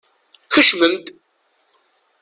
Kecmem-d!